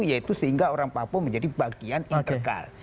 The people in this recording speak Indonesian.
yaitu sehingga orang papua menjadi bagian interkal